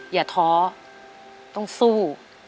อย่าท้อต้องสู้